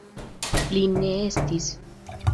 Li ne estis.